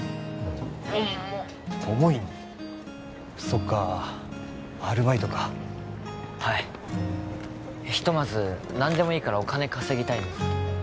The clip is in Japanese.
重っ重いなそっかアルバイトかはいひとまず何でもいいからお金稼ぎたいんです